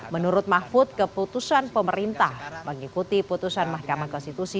menurut mahfud keputusan pemerintah mengikuti putusan mahkamah konstitusi